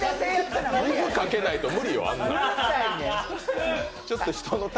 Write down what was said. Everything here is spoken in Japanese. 水かけないと無理よ、あなた。